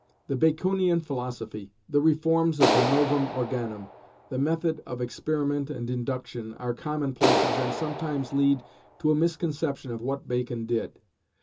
The Baconian philosophy, the reforms of the Novum Organum, the method of experiment and induction, are commonplaces, and sometimes lead to a misconception of what Bacon did.